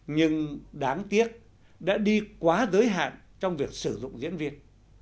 nhưng đáng tiếc đã đi quá giới hạn trong việc sử dụng diễn viên